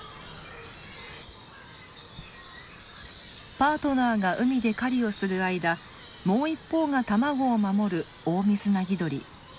パートナーが海で狩りをする間もう一方が卵を守るオオミズナギドリ。